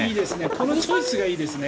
このチョイスがいいですね。